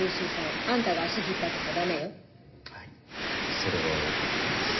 それは分かってます。